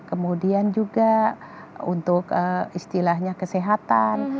kemudian juga untuk istilahnya kesehatan